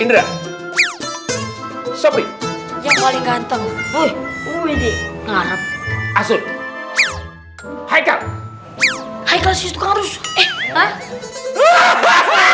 indra supri yang paling ganteng hai wd ngam asyik hai hai kasih harus eh